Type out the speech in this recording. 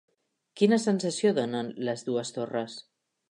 Quina sensació donen les dues torres?